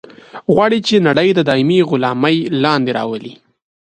غواړي چې نړۍ د دایمي غلامي لاندې راولي.